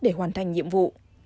để hoàn thành nhiệm vụ